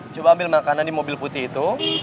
coba ambil makanan di mobil putih itu